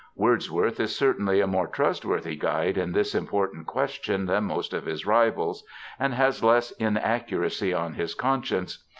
Wordsworth is certainly a more trustworthy guide in this important question than most of his rivals, and has less inaccuracy on his conscience.